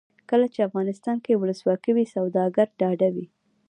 کله چې افغانستان کې ولسواکي وي سوداګر ډاډه وي.